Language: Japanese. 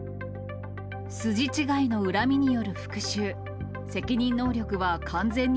筋違いの恨みによる復しゅう。